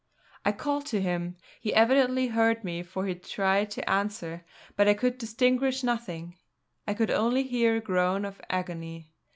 I called to him. He evidently heard me, for he tried to answer; but I could distinguish nothing, I could only hear a groan of agony.